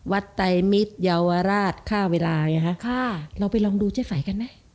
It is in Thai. วัดไตมิตยาวราชข้าวเวลาอย่างเงี้ยฮะค่ะเราไปลองดูเจฝ่ายกันไหม